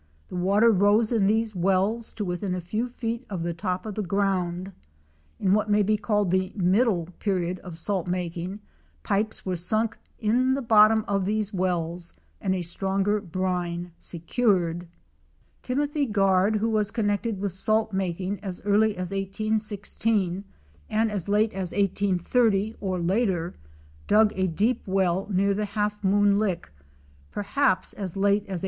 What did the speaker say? The water rose in these wells to within a few feet of the top of the ground. In what may be called the middle period of salt making, pipes were sunk in the bottom of these wells and a stronger brine secured 255 Timothy Guard, who was connected with salt making as early as 1816 and as late as 1880 or later, dug a deep well near the "Half Moon Lick" perhaps as late as 1825.